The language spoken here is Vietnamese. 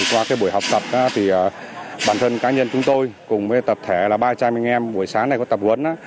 qua buổi học tập bản thân cá nhân chúng tôi cùng với tập thể ba trăm linh anh em buổi sáng này của tập huấn